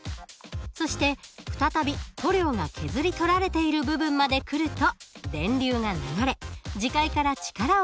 そして再び塗料が削り取られている部分まで来ると電流が流れ磁界から力を受けます。